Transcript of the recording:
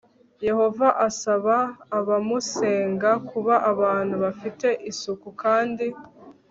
yehova asaba abamusenga kuba abantu bafite isuku kandi